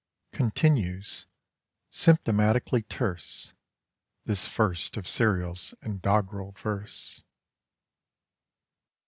_Continues symptomatically terse This first of serials in doggerel verse.